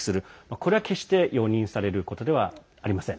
これは決して容認されることではありません。